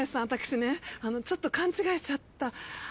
私ねちょっと勘違いしちゃった。